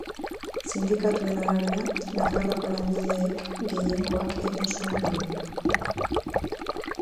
Sindikatuen arabera, Nafarroako langileek gehiengoak egin zuen greba.